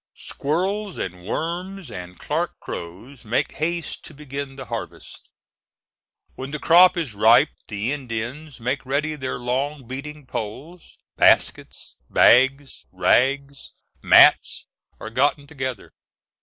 Squirrels, and worms, and Clarke crows, make haste to begin the harvest. When the crop is ripe the Indians make ready their long beating poles; baskets, bags, rags, mats, are gotten together.